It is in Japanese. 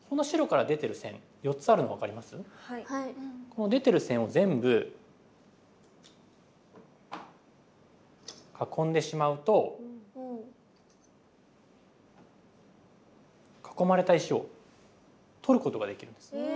この出てる線を全部囲んでしまうと囲まれた石を取ることができるんです。